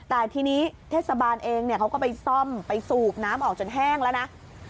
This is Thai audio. แต่ทีนี้เทศบาลเองเขาก็ไปซ่อมไปสูบน้ำออกจนแห้งแล้วนะ